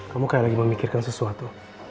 kamu kayak lagi memikirkan sesuatu